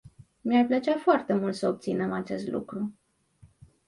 Mi-ar plăcea foarte mult să obținem acest lucru.